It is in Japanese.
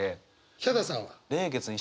ヒャダさんは？